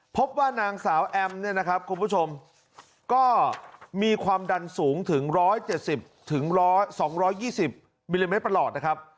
พบว่านางสาวแอมเนี่ยนะครับคุณผู้ชมก็มีความดันสูงถึง๑๗๐๒๒๐มิลลิเมตรประหลอดนะครับ